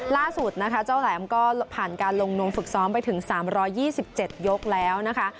ล่าสุดนะคะเจ้าแหลมก็ผ่านการลงนวมฝึกซ้อมไปถึง๓๒๗ยกแล้วนะคะ